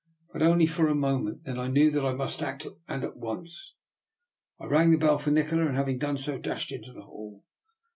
But only for a moment. Then I knew that I must act, and at once. I rang the bell for Nikola, and having done so, dashed into the hall.